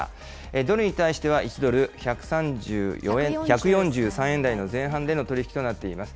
ドルに対しては、１ドル１４３円台前半での取り引きとなっています。